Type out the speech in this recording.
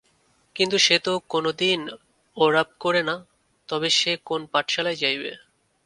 কিন্তু সে তো কোনোদিন ওরাপ করে না, তবে সে কোন পাঠশালায় যাইবে?